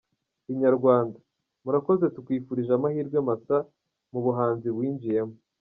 Inyarwanda: Murakoze, tukwifurije amahirwe masa mu buhanzi winjiyemo.